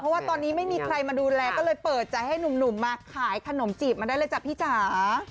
เพราะว่าตอนนี้ไม่มีใครมาดูแลก็เลยเปิดใจให้หนุ่มมาขายขนมจีบมาได้เลยจ้ะพี่จ๋า